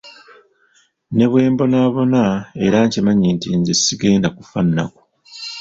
Ne bwe mbonaabona era nkimanyi nti nze sigenda kufa nnaku.